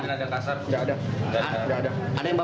tidak ada kasar